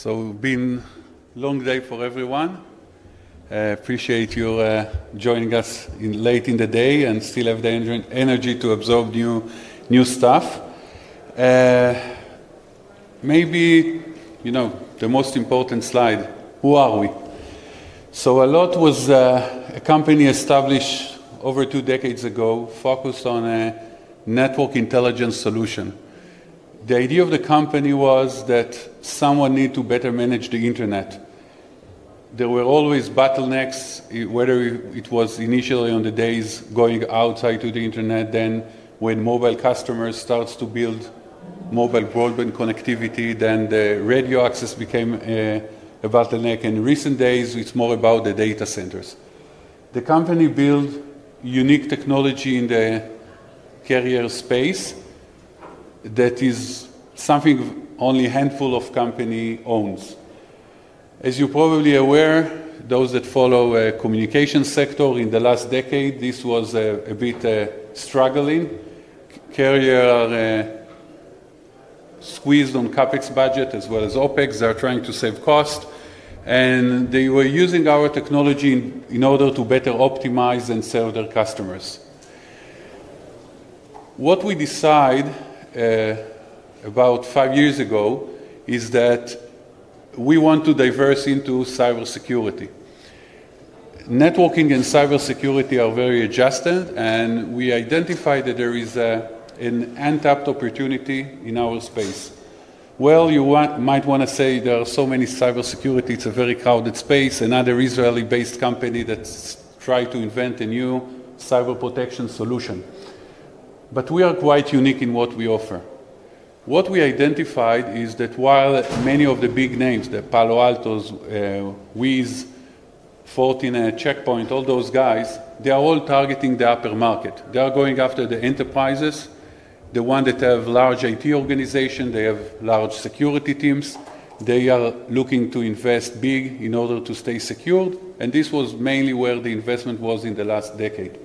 It's been a long day for everyone. Appreciate you joining us late in the day and still have the energy to absorb new stuff. Maybe, you know, the most important slide, who are we? Allot Ltd. was a company established over two decades ago, focused on a network intelligence solution. The idea of the company was that someone needed to better manage the Internet. There were always bottlenecks, whether it was initially on the days going outside to the Internet, then when mobile customers started to build mobile broadband connectivity, then the radio access became a bottleneck. In recent days, it's more about the data centers. The company built unique technology in the carrier space that is something only a handful of companies owns. As you're probably aware, those that follow the communication sector, in the last decade, this was a bit struggling. Carriers squeezed on CapEx budget, as well as OpEx. They're trying to save costs, and they were using our technology in order to better optimize and serve their customers. What we decided about five years ago is that we want to diverse into cybersecurity. Networking and cybersecurity are very adjusted, and we identified that there is an untapped opportunity in our space. You might want to say there are so many cybersecurity... it's a very crowded space, and other Israeli-based companies that try to invent a new cyber protection solution. We are quite unique in what we offer. What we identified is that while many of the big names, the Palo Altos, Wiz, Fortinet, Check Point, all those guys, they are all targeting the upper market. They are going after the enterprises, the ones that have large IT organizations, they have large security teams, they are looking to invest big in order to stay secure, and this was mainly where the investment was in the last decade.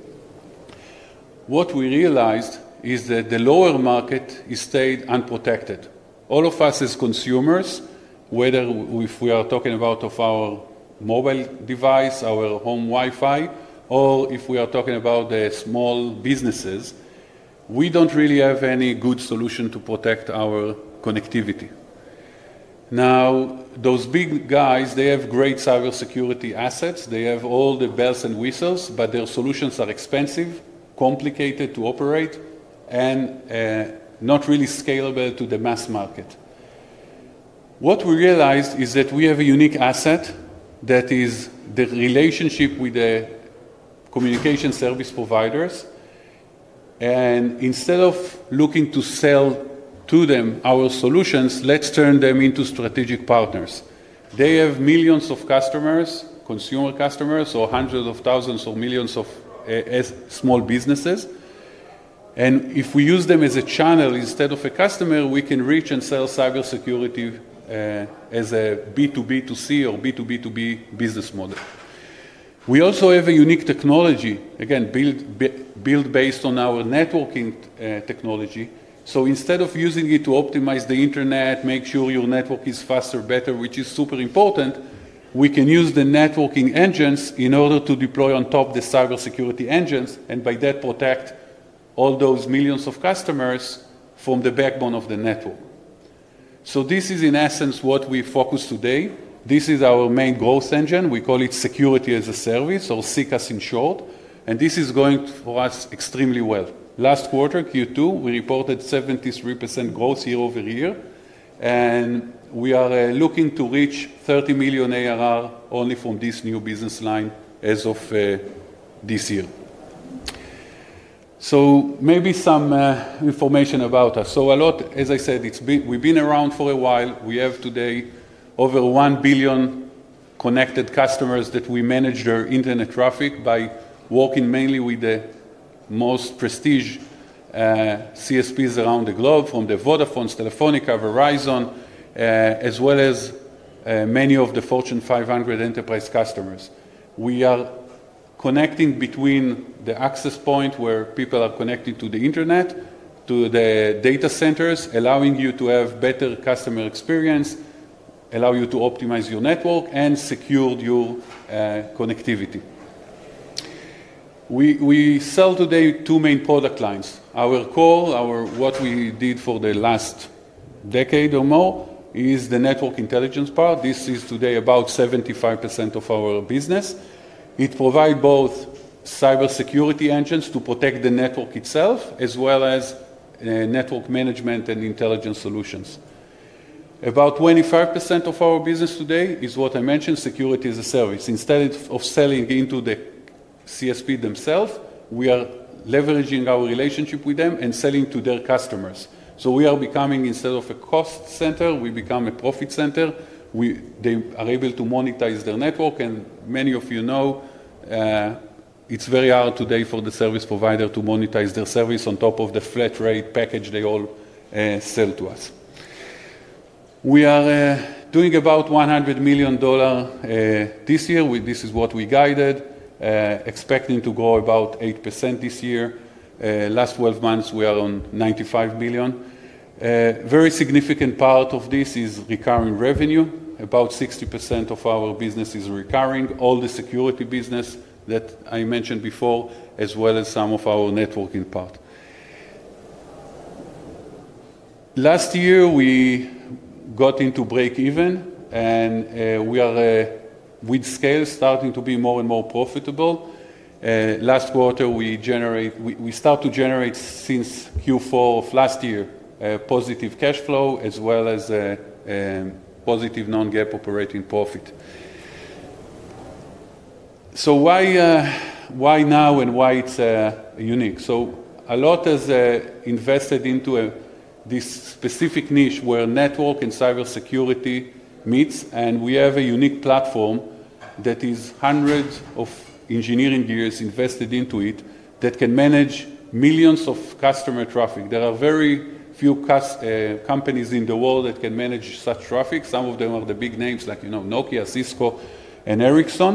What we realized is that the lower market stayed unprotected. All of us as consumers, whether if we are talking about our mobile device, our home Wi-Fi, or if we are talking about the small businesses, we don't really have any good solution to protect our connectivity. Now, those big guys, they have great cybersecurity assets, they have all the bells and whistles, but their solutions are expensive, complicated to operate, and not really scalable to the mass market. What we realized is that we have a unique asset that is the relationship with the communication service providers, and instead of looking to sell to them our solutions, let's turn them into strategic partners. They have millions of customers, consumer customers, or hundreds of thousands or millions of small businesses, and if we use them as a channel instead of a customer, we can reach and sell cybersecurity as a B2B2C or B2B2B business model. We also have a unique technology, again, built based on our networking technology. Instead of using it to optimize the Internet, make sure your network is faster, better, which is super important, we can use the networking engines in order to deploy on top of the cybersecurity engines, and by that protect all those millions of customers from the backbone of the network. This is in essence what we focus on today. This is our main growth engine. We call it cybersecurity-as-a-service, or SECaaS in short, and this is going for us extremely well. Last quarter, Q2, we reported 73% growth year-over-year, and we are looking to reach $30 million ARR only from this new business line as of this year. Maybe some information about us. Allot Ltd., as I said, we've been around for a while. We have today over 1 billion connected customers that we manage their Internet traffic by working mainly with the most prestigious CSPs around the globe, from Vodafone, Telefónica, Verizon Business, as well as many of the Fortune 500 enterprise customers. We are connecting between the access point where people are connecting to the Internet, to the data centers, allowing you to have better customer experience, allowing you to optimize your network, and secure your connectivity. We sell today two main product lines. Our core, what we did for the last decade or more, is the network intelligence part. This is today about 75% of our business. It provides both cybersecurity engines to protect the network itself, as well as network management and intelligence solutions. About 25% of our business today is what I mentioned, cybersecurity-as-a-service. Instead of selling into the CSP themselves, we are leveraging our relationship with them and selling to their customers. We are becoming, instead of a cost center, we become a profit center. They are able to monetize their network, and many of you know it's very hard today for the service provider to monetize their service on top of the flat-rate package they all sell to us. We are doing about $100 million this year. This is what we guided, expecting to grow about 8% this year. Last 12 months, we are on $95 million. A very significant part of this is recurring revenue. About 60% of our business is recurring, all the security business that I mentioned before, as well as some of our networking part. Last year, we got into break-even, and we are, with scale, starting to be more and more profitable. Last quarter, we started to generate, since Q4 of last year, positive cash flow, as well as positive non-GAAP operating profit. Why now and why it's unique? Allot Ltd. has invested into this specific niche where network and cybersecurity meet, and we have a unique platform that is hundreds of engineering years invested into it that can manage millions of customer traffic. There are very few companies in the world that can manage such traffic. Some of them are the big names, like, you know, Nokia, Cisco, and Ericsson,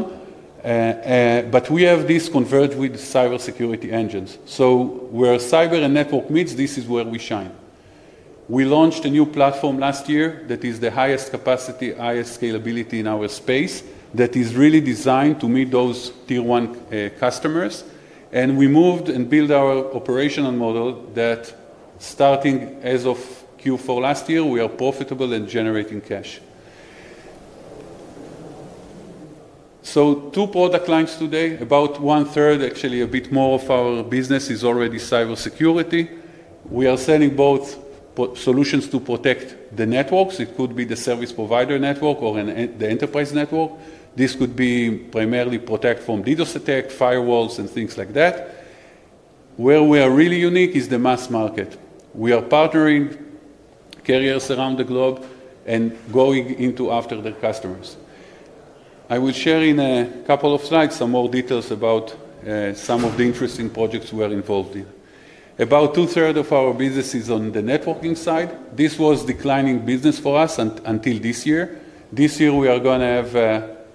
but we have this converged with cybersecurity engines. Where cyber and network meet, this is where we shine. We launched a new platform last year that is the highest capacity, highest scalability in our space, that is really designed to meet those tier-one customers, and we moved and built our operational model that, starting as of Q4 last year, we are profitable and generating cash. Two product lines today, about one-third, actually a bit more of our business is already cybersecurity. We are selling both solutions to protect the networks. It could be the service provider network or the enterprise network. This could be primarily protected from DDoS attacks, firewalls, and things like that. Where we are really unique is the mass market. We are partnering with carriers around the globe and going after their customers. I will share in a couple of slides some more details about some of the interesting projects we are involved in. About two-thirds of our business is on the networking side. This was a declining business for us until this year. This year, we are going to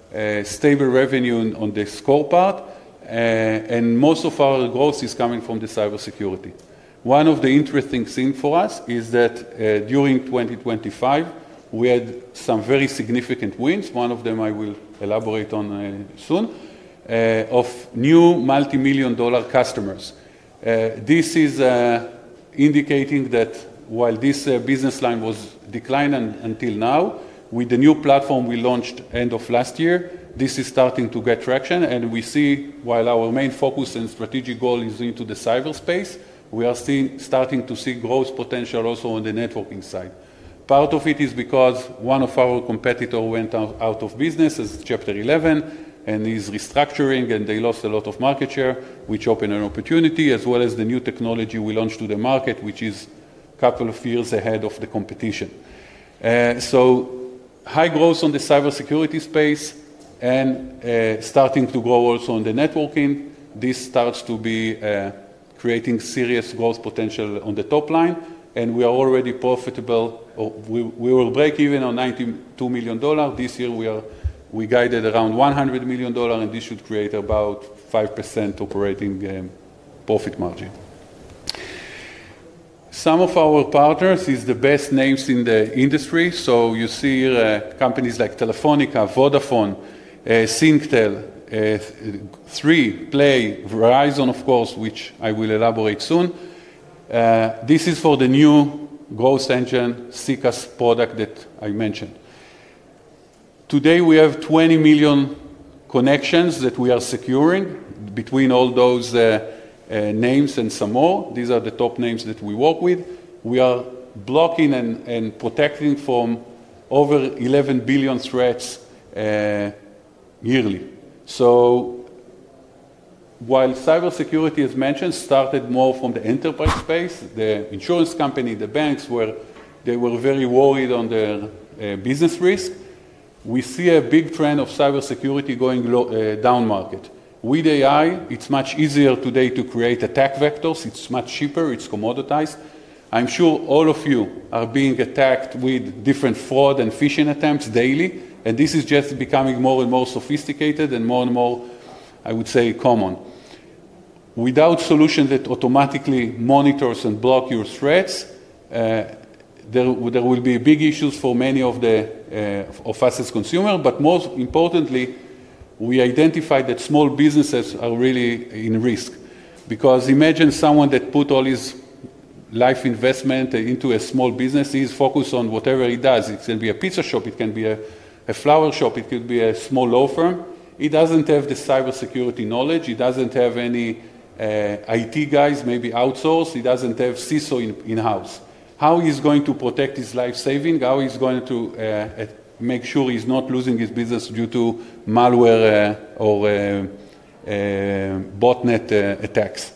have stable revenue on the score part, and most of our growth is coming from the cybersecurity. One of the interesting things for us is that during 2025, we had some very significant wins. One of them I will elaborate on soon, of new multimillion-dollar customers. This is indicating that while this business line was declining until now, with the new platform we launched end of last year, this is starting to get traction, and we see, while our main focus and strategic goal is into the cyberspace, we are starting to see growth potential also on the networking side. Part of it is because one of our competitors went out of business, as Chapter 11, and is restructuring, and they lost a lot of market share, which opened an opportunity, as well as the new technology we launched to the market, which is a couple of years ahead of the competition. High growth on the cybersecurity space and starting to grow also on the networking. This starts to be creating serious growth potential on the top line, and we are already profitable. We were break-even on $92 million. This year, we guided around $100 million, and this should create about 5% operating profit margin. Some of our partners are the best names in the industry. You see here companies like Telefónica, Vodafone, Singtel, Play, Verizon, of course, which I will elaborate soon. This is for the new growth engine, SECaaS product that I mentioned. Today, we have 20 million connections that we are securing between all those names and some more. These are the top names that we work with. We are blocking and protecting from over 11 billion threats yearly. While cybersecurity, as mentioned, started more from the enterprise space, the insurance companies, the banks, where they were very worried on their business risk, we see a big trend of cybersecurity going down market. With AI, it's much easier today to create attack vectors. It's much cheaper. It's commoditized. I'm sure all of you are being attacked with different fraud and phishing attempts daily, and this is just becoming more and more sophisticated and more and more, I would say, common. Without solutions that automatically monitor and block your threats, there will be big issues for many of us as consumers, but most importantly, we identified that small businesses are really at risk. Because imagine someone that put all his life investment into a small business. He's focused on whatever he does. It can be a pizza shop. It can be a flower shop. It could be a small law firm. He doesn't have the cybersecurity knowledge. He doesn't have any IT guys, maybe outsourced. He doesn't have CISO in-house. How he's going to protect his life savings, how he's going to make sure he's not losing his business due to malware or botnet attacks.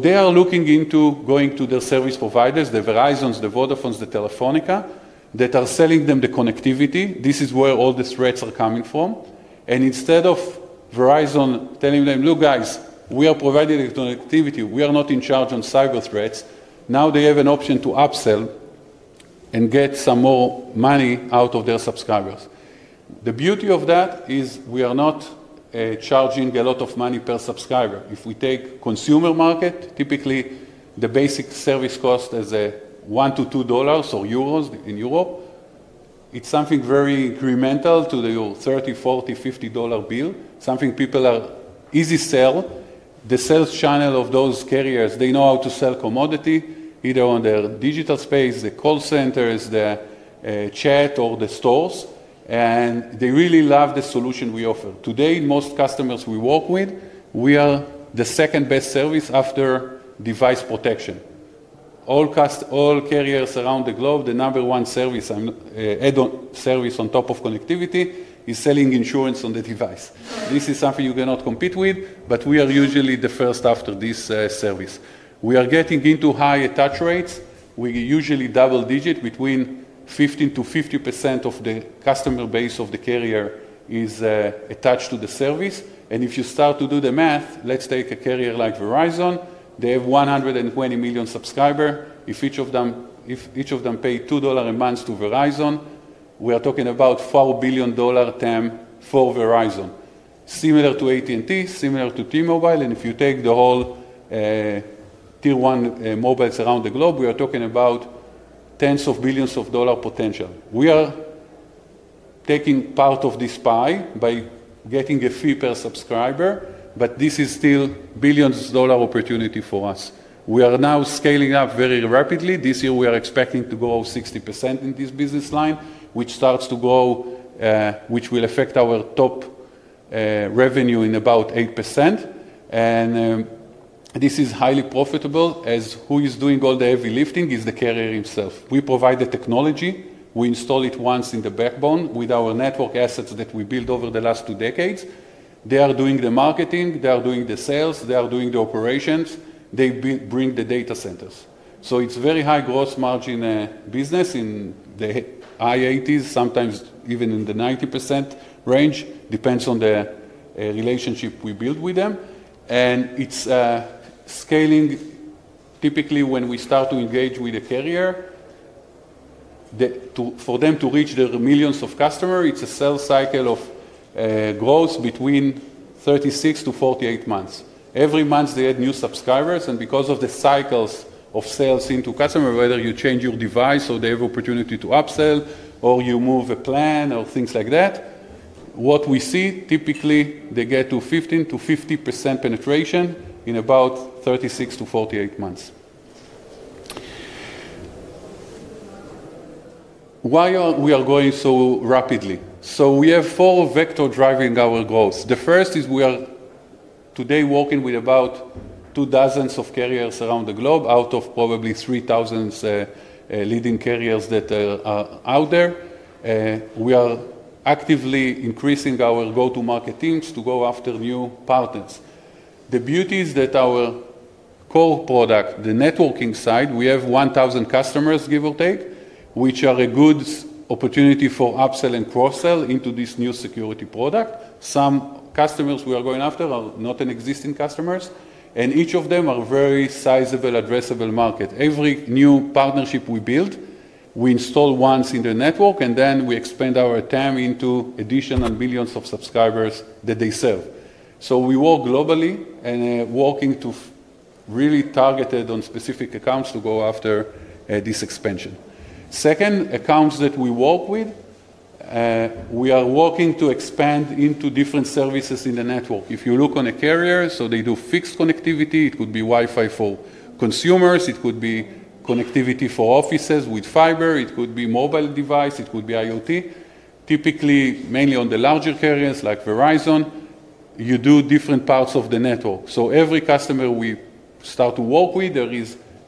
They are looking into going to their service providers, the Verizons, the Vodafones, the Telefónica, that are selling them the connectivity. This is where all the threats are coming from. Instead of Verizon telling them, "Look, guys, we are providing the connectivity. We are not in charge of cyber threats," now they have an option to upsell and get some more money out of their subscribers. The beauty of that is we are not charging a lot of money per subscriber. If we take the consumer market, typically the basic service cost is $1-$2 or euros in Europe. It's something very incremental to your $30, $40, $50 bill, something people are easy to sell. The sales channel of those carriers, they know how to sell commodity, either on their digital space, the call centers, the chat, or the stores, and they really love the solution we offer. Today, most customers we work with, we are the second-best service after device protection. All carriers around the globe, the number one add-on service on top of connectivity is selling insurance on the device. This is something you cannot compete with, but we are usually the first after this service. We are getting into high attach rates. We usually double-digit between 15% to 50% of the customer base of the carrier is attached to the service, and if you start to do the math, let's take a carrier like Verizon. They have 120 million subscribers. If each of them paid $2 a month to Verizon, we are talking about $4 billion TAM for Verizon. Similar to AT&T, similar to T-Mobile, and if you take the whole tier-one mobiles around the globe, we are talking about tens of billions of dollars potential. We are taking part of this pie by getting a fee per subscriber, but this is still a billion-dollar opportunity for us. We are now scaling up very rapidly. This year, we are expecting to grow 60% in this business line, which starts to grow, which will affect our top revenue in about 8%, and this is highly profitable, as who is doing all the heavy lifting is the carrier himself. We provide the technology. We install it once in the backbone with our network assets that we built over the last two decades. They are doing the marketing. They are doing the sales. They are doing the operations. They bring the data centers. It is a very high gross margin business in the high 80s, sometimes even in the 90% range. It depends on the relationship we build with them, and it is scaling. Typically, when we start to engage with a carrier, for them to reach their millions of customers, it is a sales cycle of growth between 36-48 months. Every month, they add new subscribers, and because of the cycles of sales into customers, whether you change your device or they have the opportunity to upsell, or you move a plan or things like that, what we see, typically, they get to 15%-50% penetration in about 36-48 months. We are going so rapidly because we have four vectors driving our growth. The first is we are today working with about two dozen carriers around the globe, out of probably 3,000 leading carriers that are out there. We are actively increasing our go-to-market teams to go after new partners. The beauty is that our core product, the networking side, we have 1,000 customers, give or take, which are a good opportunity for upsell and cross-sell into this new security product. Some customers we are going after are not existing customers, and each of them is a very sizable, addressable market. Every new partnership we build, we install once in the network, and then we expand our TAM into additional millions of subscribers that they serve. We work globally and are working to really target specific accounts to go after this expansion. Second, accounts that we work with, we are working to expand into different services in the network. If you look at a carrier, they do fixed connectivity. It could be Wi-Fi for consumers. It could be connectivity for offices with fiber. It could be a mobile device. It could be IoT. Mainly on the larger carriers like Verizon Business, you do different parts of the network. Every customer we start to work with, there are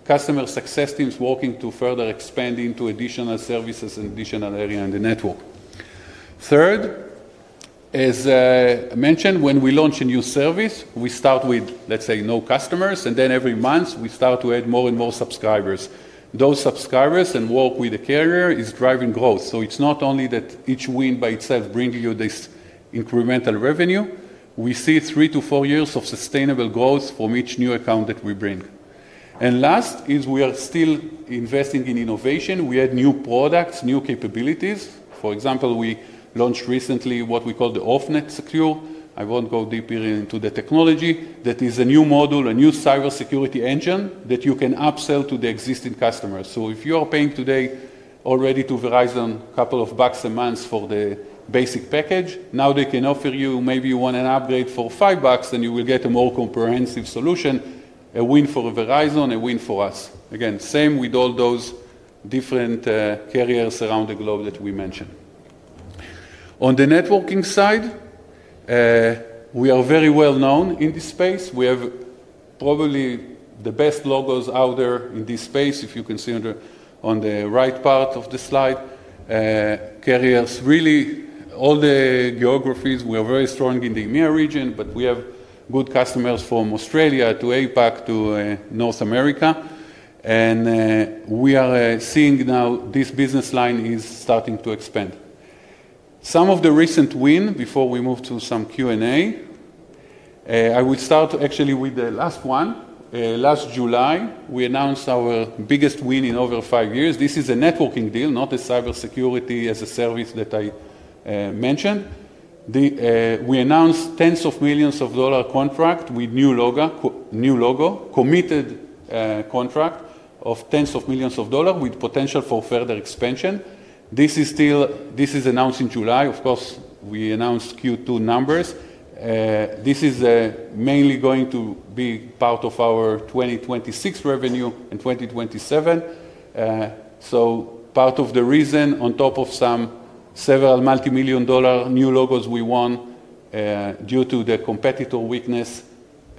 customer success teams working to further expand into additional services and additional areas in the network. Third, as I mentioned, when we launch a new service, we start with, let's say, no customers, and then every month, we start to add more and more subscribers. Those subscribers and work with the carrier is driving growth. It is not only that each win by itself brings you this incremental revenue. We see three to four years of sustainable growth from each new account that we bring. Last, we are still investing in innovation. We add new products, new capabilities. For example, we launched recently what we call the OffNetSecure. I won't go deeper into the technology. That is a new model, a new cybersecurity engine that you can upsell to the existing customers. If you are paying today already to Verizon a couple of bucks a month for the basic package, now they can offer you, maybe you want an upgrade for $5, and you will get a more comprehensive solution. A win for Verizon, a win for us. Same with all those different carriers around the globe that we mentioned. On the networking side, we are very well known in this space. We have probably the best logos out there in this space if you consider on the right part of the slide. Carriers, really, all the geographies, we are very strong in the EMEA region, but we have good customers from Australia to APAC to North America, and we are seeing now this business line is starting to expand. Some of the recent wins, before we move to some Q&A, I will start actually with the last one. Last July, we announced our biggest win in over five years. This is a networking deal, not a cybersecurity-as-a-service that I mentioned. We announced tens of millions of dollars contract with new logo, committed contract of tens of millions of dollars with potential for further expansion. This is still, this is announced in July. Of course, we announced Q2 numbers. This is mainly going to be part of our 2026 revenue and 2027. Part of the reason, on top of some, several multimillion-dollar new logos we won, due to the competitor weakness,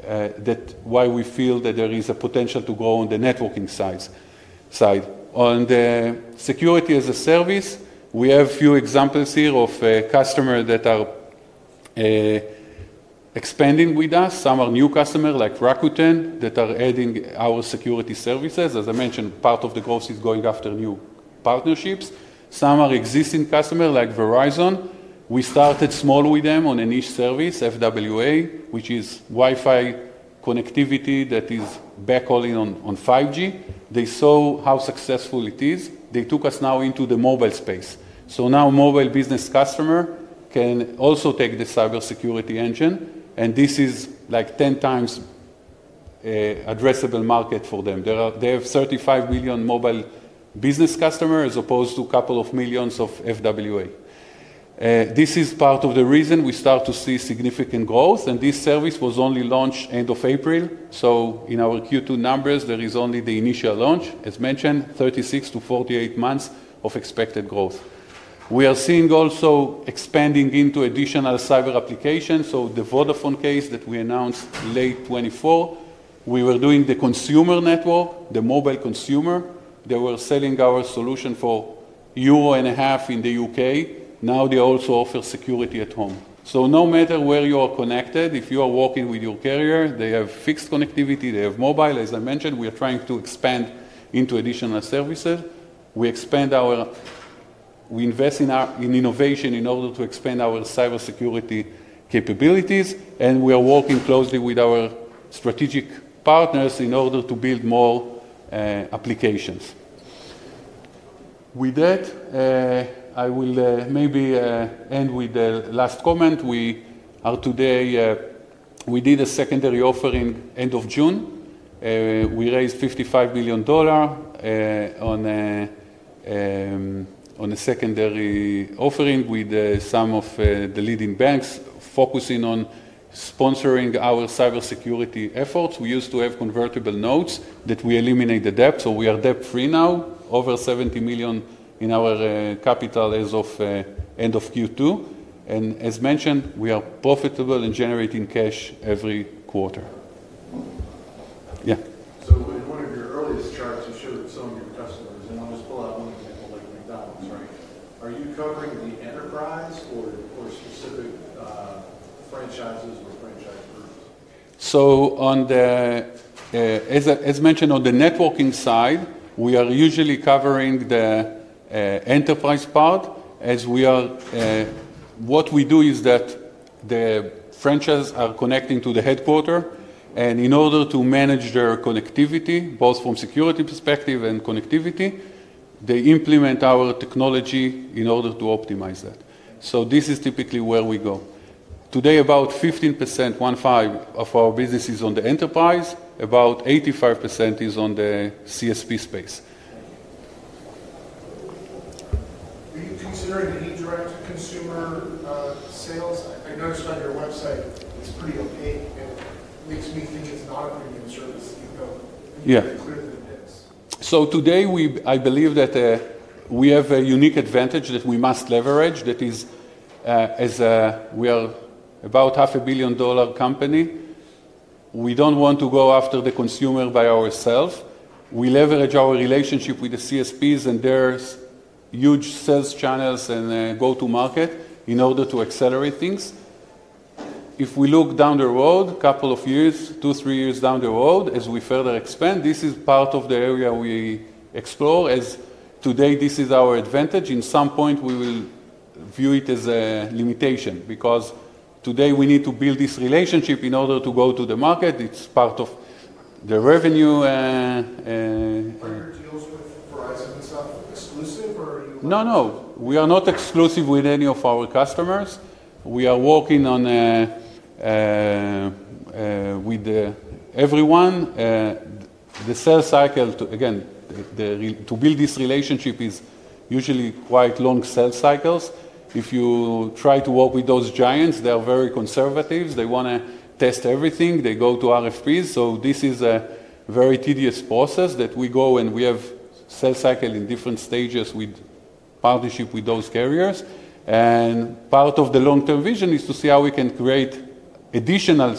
that why we feel that there is a potential to grow on the networking side. On the SECaaS, we have a few examples here of customers that are expanding with us. Some are new customers, like Rakuten, that are adding our security services. As I mentioned, part of the growth is going after new partnerships. Some are existing customers, like Verizon. We started small with them on a niche service, fixed wireless access, which is Wi-Fi connectivity that is backhauling on 5G. They saw how successful it is. They took us now into the mobile space. Now mobile business customers can also take the cybersecurity engine, and this is like 10 times addressable market for them. They have 35 million mobile business customers as opposed to a couple of millions of fixed wireless access. This is part of the reason we start to see significant growth, and this service was only launched end of April. In our Q2 numbers, there is only the initial launch, as mentioned, 36-48 months of expected growth. We are seeing also expanding into additional cyber applications. The Vodafone case that we announced late 2024, we were doing the consumer network, the mobile consumer. They were selling our solution for EUR 1.50 in the United Kingdom. Now they also offer security at home. No matter where you are connected, if you are working with your carrier, they have fixed connectivity. They have mobile. As I mentioned, we are trying to expand into additional services. We invest in innovation in order to expand our cybersecurity capabilities, and we are working closely with our strategic partners in order to build more applications. With that, I will maybe end with the last comment. We did a secondary offering end of June. We raised $55 million on a secondary offering with some of the leading banks focusing on sponsoring our cybersecurity efforts. We used to have convertible debt that we eliminated, so we are debt-free now, over $70 million in our capital as of end of Q2. As mentioned, we are profitable and generating cash every quarter. Yeah? In one of your earliest charts, you showed some of your customers, and I'll just pull out one example, like McDonald's, right? Are you covering the enterprise or specific franchises or franchise groups? As mentioned, on the networking side, we are usually covering the enterprise part. What we do is that the franchises are connecting to the headquarters, and in order to manage their connectivity, both from a security perspective and connectivity, they implement our technology in order to optimize that. This is typically where we go. Today, about 15% of our business is on the enterprise. About 85% is on the CSP space. Are you considering any direct-to-consumer sales? I noticed on your website, it's pretty opaque. It makes me think it's not a premium service. You know, it's clear that it is. Today, I believe that we have a unique advantage that we must leverage. That is, as we are about a half-billion-dollar company, we don't want to go after the consumer by ourselves. We leverage our relationship with the CSPs and their huge sales channels and go-to-market in order to accelerate things. If we look down the road, a couple of years, two, three years down the road, as we further expand, this is part of the area we explore. As of today, this is our advantage. At some point, we will view it as a limitation because today we need to build this relationship in order to go to the market. It's part of the revenue. Are you working with Verizon Business and stuff exclusive, or are you? No, no. We are not exclusive with any of our customers. We are working with everyone. The sales cycle, again, to build this relationship is usually quite long sales cycles. If you try to work with those giants, they are very conservative. They want to test everything. They go to RFPs. This is a very tedious process that we go and we have sales cycles in different stages with partnerships with those carriers. Part of the long-term vision is to see how we can create additional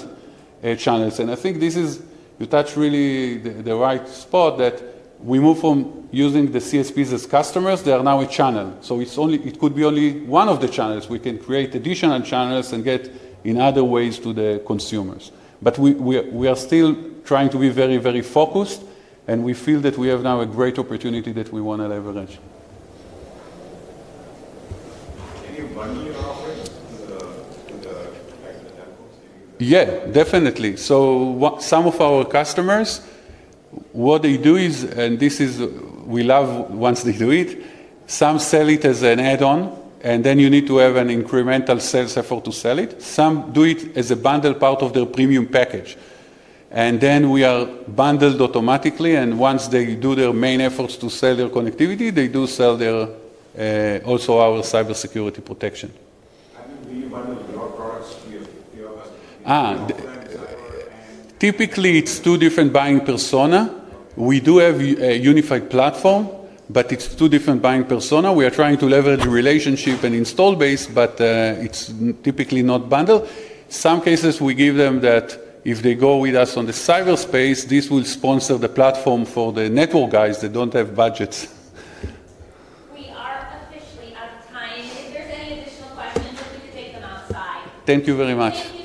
channels. I think this is, you touched really the right spot, that we move from using the CSPs as customers. They are now a channel. It could be only one of the channels. We can create additional channels and get in other ways to the consumers. We are still trying to be very, very focused, and we feel that we have now a great opportunity that we want to leverage. Can you bundle your offerings with the back of the template? Definitely. Some of our customers, what they do is, and we love once they do it, some sell it as an add-on, and then you need to have an incremental sales effort to sell it. Some do it as a bundled part of their premium package, and then we are bundled automatically, and once they do their main efforts to sell their connectivity, they do sell also our cybersecurity protection. How do you bundle your products to your customers? Typically, it's two different buying personas. We do have a unified platform, but it's two different buying personas. We are trying to leverage relationship and install base, but it's typically not bundled. In some cases, we give them that if they go with us on the cyberspace, this will sponsor the platform for the network guys that don't have budgets. We are officially out of time. If there's any additional questions, we can take them outside. Thank you very much. Thank you.